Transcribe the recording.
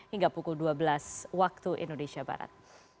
hingga pukul dua belas waktu indonesia barat